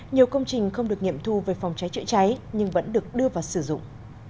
nhiều công trình không được nghiệm thu về phòng cháy chữa cháy nhưng vẫn được đưa vào sử dụng